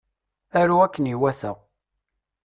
Aru akken iwata.